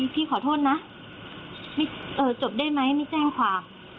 พี่ขอโทษนะจบได้ไหมไม่แจ้งความ